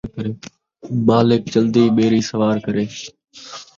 مالک چلدی ٻیڑی سوار کرے